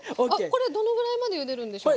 これどのぐらいまでゆでるんでしょう。